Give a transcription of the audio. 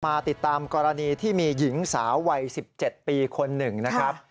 มาติดตามกรณีที่มีหญิงสาววัย๑๗ปีคนหนึ่งนะครับ